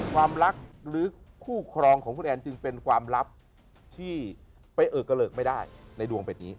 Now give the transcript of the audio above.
ความรักหรือคู่ครองของคุณแอนจึงเป็นความลับที่ไปเออกระเลิกไม่ได้ในดวงเป็ดนี้